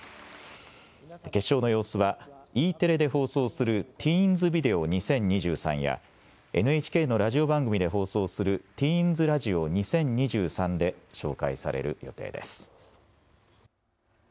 決勝の様子はＥテレで放送するティーンズビデオ２０２３やＮＨＫのラジオ番組で放送するティーンズラジオ２０２３で紹介される予定です。